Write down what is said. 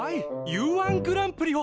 Ｕ−１グランプリを！